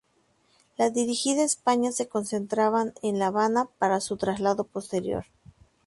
La dirigida a España se concentraban en la Habana para su traslado posterior.